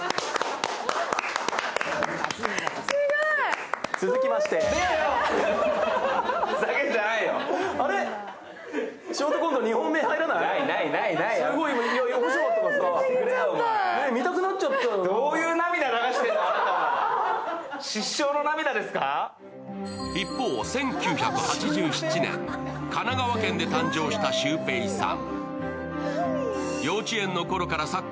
すごい。一方、１９８７年、神奈川県で誕生したシュウペイさん。